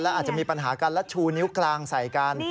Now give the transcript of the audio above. อาจจะมีปัญหากันและชูนิ้วกลางใส่กัน